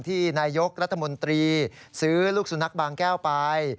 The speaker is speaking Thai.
นายกรัฐมนตรีซื้อลูกสุนัขบางแก้วไป